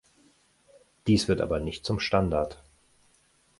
Dies wird aber nicht zum Standard.